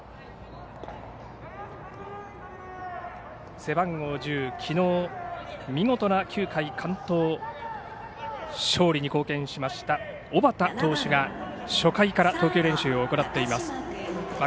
背番号１０、完投してきのう勝利に貢献しました小畠投手が初回から投球練習を行っています。